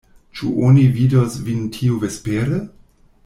Ĉu oni vidos vin tiuvespere?